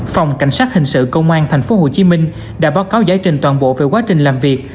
phòng cảnh sát hình sự công an tp hcm đã báo cáo giải trình toàn bộ về quá trình làm việc